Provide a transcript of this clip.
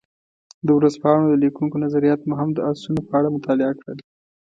د ورځپاڼو د لیکونکو نظریات مو هم د اسونو په اړه مطالعه کړل.